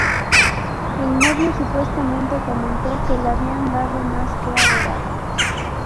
El novio supuestamente comentó que le habían dado "más que adorar".